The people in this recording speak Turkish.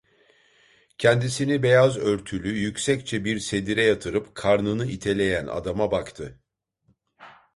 Kendisini beyaz örtülü, yüksekçe bir sedire yatırıp karnını iteleyen adama baktı.